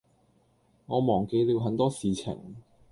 我忘記了很多事情